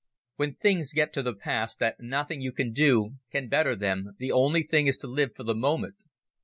When things get to the pass that nothing you can do can better them, the only thing is to live for the moment.